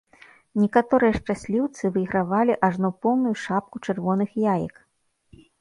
Некаторыя шчасліўцы выйгравалі ажно поўную шапку чырвоных яек.